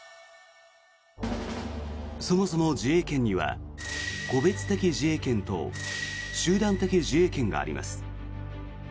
そもそも、自衛権には個別的自衛権と集団的自衛権があります。